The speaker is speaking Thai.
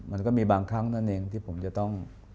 มันก็มีบางครั้งนั่นเองที่ผมจะต้อง